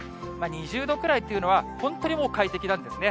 ２０度くらいというのは、本当にもう快適なんですね。